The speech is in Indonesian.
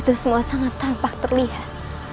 itu semua sangat tampak terlihat